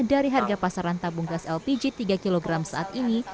dari harga pasaran tabung gas lpg tiga kg saat ini